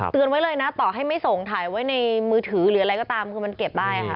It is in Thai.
ไว้เลยนะต่อให้ไม่ส่งถ่ายไว้ในมือถือหรืออะไรก็ตามคือมันเก็บได้ค่ะ